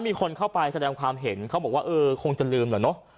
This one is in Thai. มีคนเข้าไปแสดงความเห็นเขาบอกว่าเออคงจะลืมเหรอเนอะ